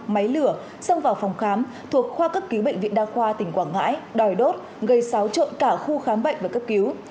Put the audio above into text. máy lửa xông vào phòng khám thuộc khoa cấp cứu bệnh viện đa khoa tỉnh quảng ngãi đòi đốt gây xáo trộn cả khu khám bệnh và cấp cứu